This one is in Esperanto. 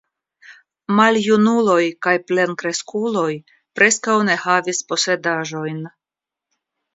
Maljunuloj kaj plenkreskuloj preskaŭ ne havis posedaĵojn.